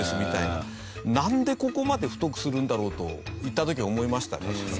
「なんでここまで太くするんだろう？」と行った時思いました。